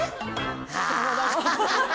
あハハハ！